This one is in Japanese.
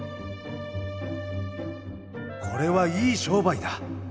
「これはいい商売だ。